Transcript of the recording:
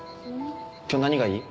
今日何がいい？